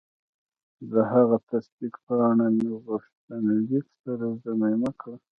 د هغه تصدیق پاڼه مې له غوښتنلیک سره ضمیمه کړه.